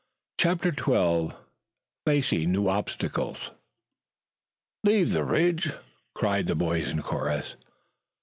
CHAPTER XII FACING NEW OBSTACLES "Leave the Ridge?" cried the boys in chorus.